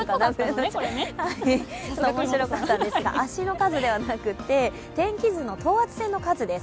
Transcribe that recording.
おもしろかったんですが、足の数ではなくて天気図の等圧線の数です。